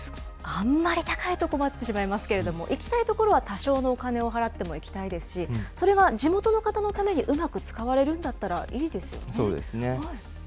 あんまり高いと困ってしまいますけれども、行きたい所は多少のお金を払っても行きたいですし、それが地元の方のためにうまく使われるんだったらいいですよね。